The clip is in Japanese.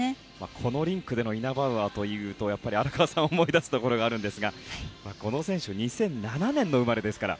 このリンクでのイナバウアーというと荒川さんを思い出すところがあるんですがこの選手は２００７年生まれです。